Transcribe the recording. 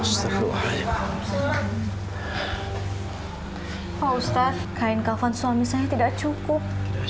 pak ustadz kain kafan suami saya tidak cukup